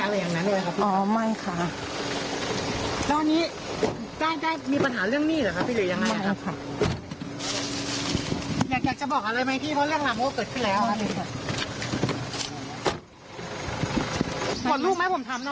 ลองฟังเสียงเธอนะคะ